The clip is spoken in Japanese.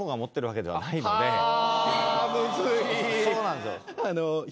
いそうなんですよ